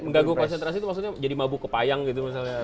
mengganggu konsentrasi itu maksudnya jadi mabuk kepayang gitu misalnya